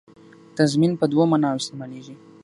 تضمین په دوو معناوو استعمالېږي.